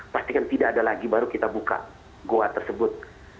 pastikan tidak ada lagi baru kita buka goa tersebut